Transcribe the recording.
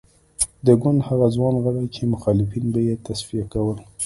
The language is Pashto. د ګوند هغه ځوان غړي چې مخالفین به یې تصفیه کول.